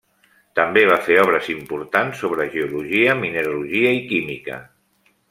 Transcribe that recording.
També va fer obres importants sobre geologia, mineralogia i química.